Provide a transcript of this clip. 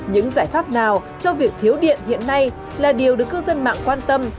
những giải pháp nào cho việc thiếu điện hiện nay là điều được cư dân mạng quan tâm